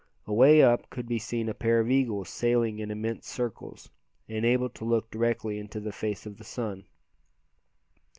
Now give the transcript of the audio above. Away up could be seen a pair of eagles sailing in immense circles, and able to look directly into the face of the sun.